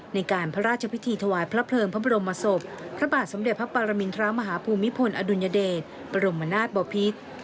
ในการพระราชพิธีถวายพระเพลิงพระบรมศพพระบาทสมเด็จพระปรมินทรมาฮภูมิพลอดุลยเดชบรมนาศบอพิษ